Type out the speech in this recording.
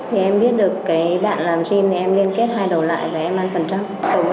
thì em viết được cái bạn làm sim em liên kết hai đầu lại và em mang phần trăm